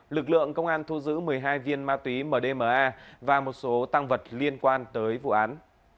lực lượng công an thu giữ một mươi hai viên ma túy mdma và một số tăng vật liên quan tới vụ án